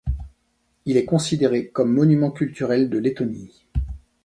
Il est considéré comme monument culturel de Lettonie.